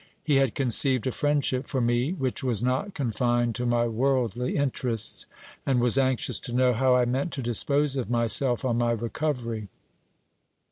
He had conceived a friendship for me, which was not confined to my worldly interests, and was anxious to know how I meant to dispose of myself on my recovery.